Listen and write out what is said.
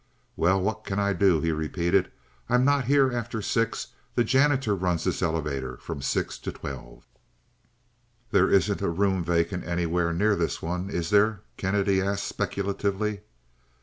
"Well, what can I do?" he repeated. "I'm not here after six. The janitor runs this elevator from six to twelve." "There isn't a room vacant anywhere near this one, is there?" Kennedy asked, speculatively.